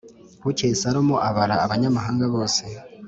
Bukeye Salomo abara abanyamahanga bose